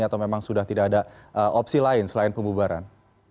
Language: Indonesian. atau memang sudah tidak ada opsi lain selain pembubaran